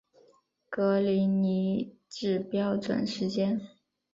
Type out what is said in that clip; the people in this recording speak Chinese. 格林尼治标准时间